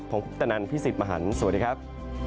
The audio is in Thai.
ผมคุปตนันพี่สิทธิ์มหันฯสวัสดีครับ